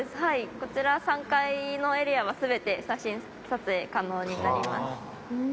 こちら３階のエリアは全て写真撮影可能になります。